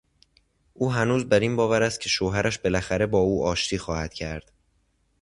او هنوز بر این باور است که شوهرش بالاخره با او آشتی خواهد کرد.